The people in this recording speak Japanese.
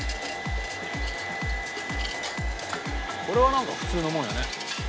これはなんか普通のもんよね。